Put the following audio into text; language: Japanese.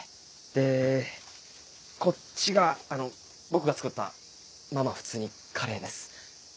でこっちが僕が作ったまぁまぁ普通にカレーです。